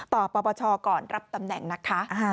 ปปชก่อนรับตำแหน่งนะคะ